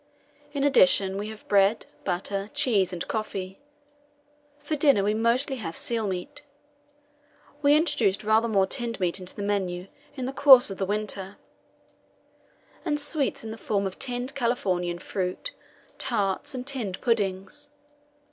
In addition, we have bread, butter, cheese, and coffee. For dinner we mostly have seal meat (we introduced rather more tinned meat into the menu in the course of the winter), and sweets in the form of tinned Californian fruit, tarts, and tinned puddings.